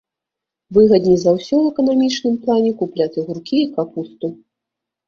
Выгадней за ўсё ў эканамічным плане купляць агуркі і капусту.